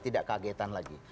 tidak kagetan lagi